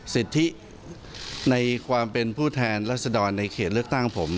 สิทธิในความเป็นผู้แทนรัศดรในเขตเลือกตั้งผม